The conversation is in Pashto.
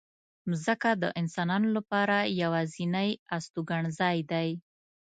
مځکه د انسانانو لپاره یوازینۍ استوګنځای دی.